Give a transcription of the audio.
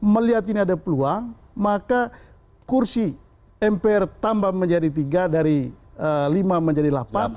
melihat ini ada peluang maka kursi mpr tambah menjadi tiga dari lima menjadi delapan